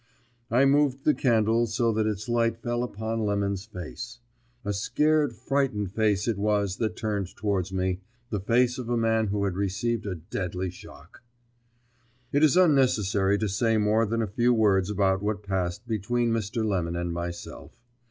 I moved the candle so that its light fell upon Lemon's face. A scared, frightened face it was that turned towards me, the face of a man who had received a deadly shock. It is unnecessary to say more than a few words about what passed between Mr. Lemon and myself.